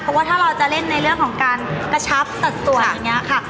เพราะว่าถ้าเราจะเล่นในเรื่องของการกระชับสัดส่วนอย่างนี้ค่ะ